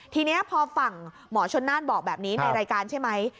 ทีนี้พอฝั่งหมอชนน่านบอกแบบนี้ในรายการใช่ไหม